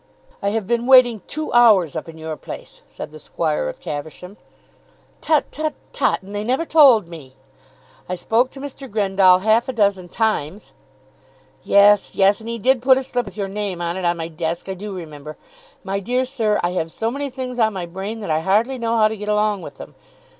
"I have been waiting two hours up in your place," said the Squire of Caversham. "Tut, tut, tut; and they never told me!" "I spoke to Mr. Grendall half a dozen times." "Yes, yes. And he did put a slip with your name on it on my desk. I do remember. My dear sir, I have so many things on my brain, that I hardly know how to get along with them.